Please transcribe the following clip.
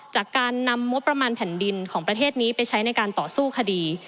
จากการนำงบประมาณแผ่นดินของประเทศนี้ไปใช้ในการต่อสู้คดี